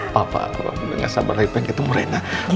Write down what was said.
papa nggak sabar lagi pengen ketemu reina